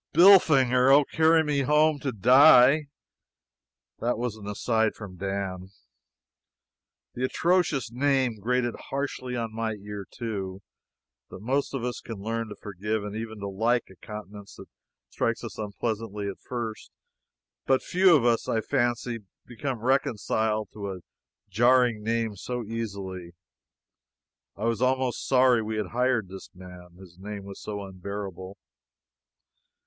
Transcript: "Billfinger! Oh, carry me home to die!" That was an "aside" from Dan. The atrocious name grated harshly on my ear, too. The most of us can learn to forgive, and even to like, a countenance that strikes us unpleasantly at first, but few of us, I fancy, become reconciled to a jarring name so easily. I was almost sorry we had hired this man, his name was so unbearable.